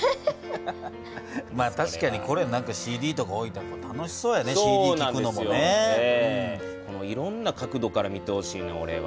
まあ確かにこれＣＤとか置いたら楽しそうやねＣＤきくのもね。いろんな角度から見てほしいなおれは。